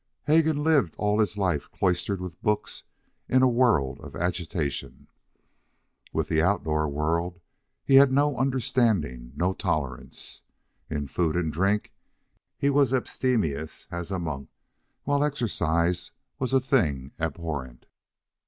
Hegan lived all his life cloistered with books in a world of agitation. With the out of door world he had no understanding nor tolerance. In food and drink he was abstemious as a monk, while exercise was a thing abhorrent.